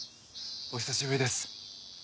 お久しぶりです。